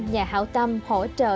nhà hảo tâm hỗ trợ